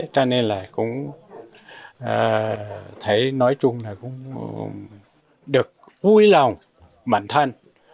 cho nên là cũng thấy nói chung là cũng được vui lòng bản thân